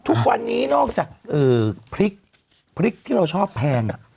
ทุกวันนี้นอกจากเออพริกพริกที่เราชอบแพงอ่ะ